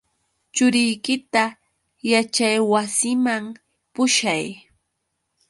Churiykita yaćhaywasiman pushay.